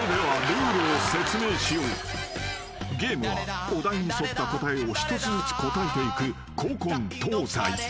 ［ゲームはお題に沿った答えを一つずつ答えていく古今東西］